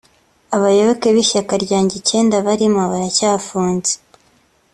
abayoboke b’ishyaka ryanjye icyenda barimo baracyafunze